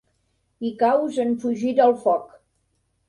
Hi caus en fugir del foc.